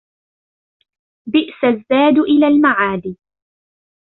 بِئْسَ الزَّادُ إلَى الْمَعَادِ